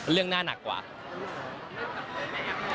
เรื่องหน้าหนักกว่า